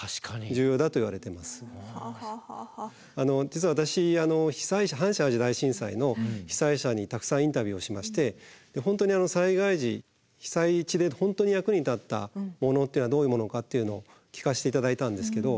実は私阪神・淡路大震災の被災者にたくさんインタビューをしまして災害時被災地で本当に役に立ったものっていうのはどういうものかっていうのを聞かせて頂いたんですけど